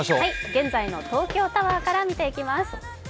現在の東京タワーから見ていきます。